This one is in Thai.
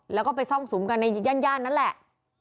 แล้วก็ไปซ่องสุมกันในย่านนั่นแหละ